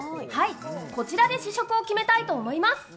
こちらで試食を決めたいと思います。